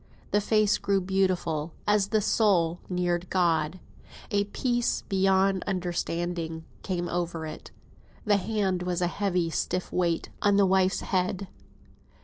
The face grew beautiful, as the soul neared God. A peace beyond understanding came over it. The hand was a heavy, stiff weight on the wife's head.